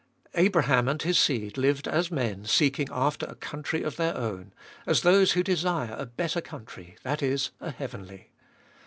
Abraham and his seed lived as men seeking after a country of their own, as those who desire a better country, that is, a heavenly.